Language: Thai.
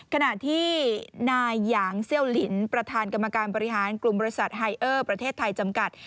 ขณะที่นายหยางเซี่ยวลินประธานกรรมการบริหารกลุ่มบริษัทไฮเออร์ประเทศไทยจำกัด